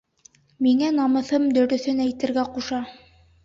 Миңә намыҫым дөрөҫөн әйтергә ҡуша.